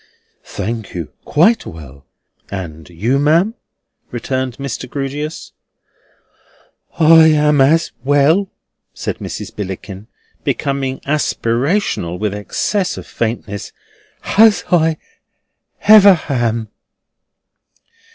"Thank you, quite well. And you, ma'am?" returned Mr. Grewgious. "I am as well," said Mrs. Billickin, becoming aspirational with excess of faintness, "as I hever ham."